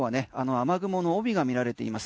雨雲の帯が見られています。